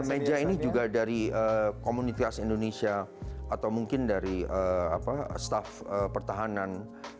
meja ini juga dari komunitas indonesia atau mungkin dari staff pertahanan